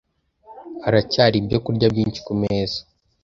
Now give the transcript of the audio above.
Haracyari ibyokurya byinshi kumeza.